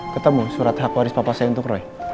ketemu surat hak waris papa saya untuk roy